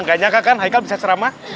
nggak nyangka kan haikal bisa ceramah